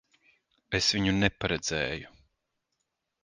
Es viņu neparedzēju.